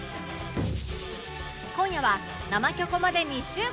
今夜は「生キョコ」まで２週間